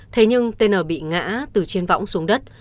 thế nhưng tn bị ngã từ trên võng xuống đất